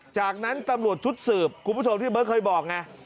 จากนั้นตำรวจชุดสืบคุณผู้ชมที่เบิร์ตเคยบอกไง